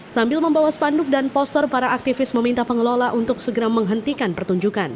sambil membawa spanduk dan poster para aktivis meminta pengelola untuk segera menghentikan pertunjukan